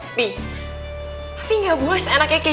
tapi tapi gak boleh seenak kekej